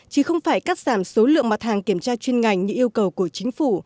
chỉ không phải cắt giảm số lượng mặt hàng kiểm tra chuyên ngành như yêu cầu của chính phủ